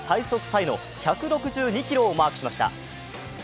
タイの１６２キロをマークしました。